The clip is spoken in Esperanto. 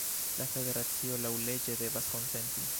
La Federacio laŭleĝe devas konsenti.